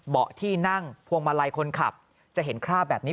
ที่นั่งพวงมาลัยคนขับจะเห็นคราบแบบนี้